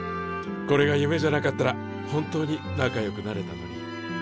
これが夢じゃなかったら本当に仲よくなれたのに。